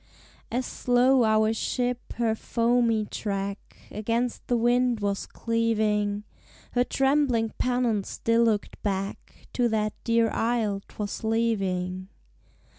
As slow our ship her foamy track Against the wind was cleaving. Her trembling pennant still looked back To that dear isle 'twas leaving.